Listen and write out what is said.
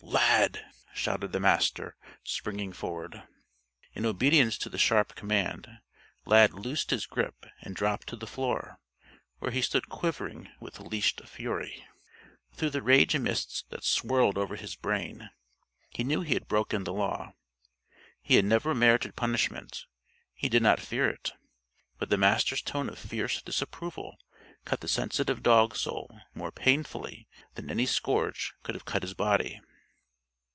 "Lad!" shouted the Master, springing forward. In obedience to the sharp command, Lad loosed his grip and dropped to the floor where he stood quivering with leashed fury. Through the rage mists that swirled over his brain, he knew he had broken the Law. He had never merited punishment. He did not fear it. But the Master's tone of fierce disapproval cut the sensitive dog soul more painfully than any scourge could have cut his body.